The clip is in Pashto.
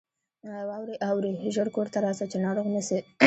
واوره اوري ! ژر کورته راسه ، چې ناروغ نه سې.